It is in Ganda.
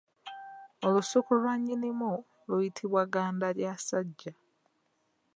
Olusuku lwa nnyinimu luyitibwa ggandalyassajja.